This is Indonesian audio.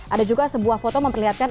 ada juga sebuah foto memperlihatkan